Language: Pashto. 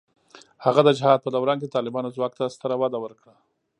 هغه د جهاد په دوران کې د طالبانو ځواک ته ستره وده ورکړه.